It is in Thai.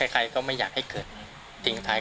ใครก็ไม่อยากให้เกิดติ่งท้าย